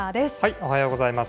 おはようございます。